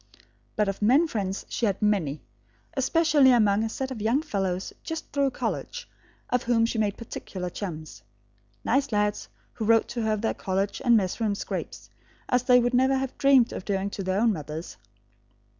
But of men friends she had many, especially among a set of young fellows just through college, of whom she made particular chums; nice lads, who wrote to her of their college and mess room scrapes, as they would never have dreamed of doing to their own mothers.